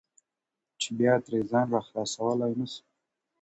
چي بيا ترې ځان را خلاصولای نسم_